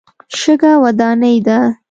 شګه وداني ده.